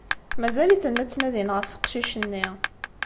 Mazal-iten la ttnadin ɣef uqcic-nni.